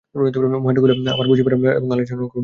মহেন্দ্র কহিল, আমার বসিবার এবং আলোচনা করিবার সময় নাই।